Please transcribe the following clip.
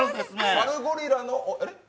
サルゴリラのあれ？